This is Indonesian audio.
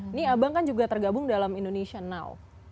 ini abang kan juga tergabung dalam indonesia now